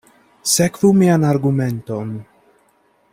Sekvu mian argumenton.